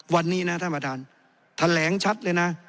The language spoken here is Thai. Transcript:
วันนี้นะท่านประธานแถลงชัดเลยนะ